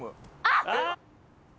あっ！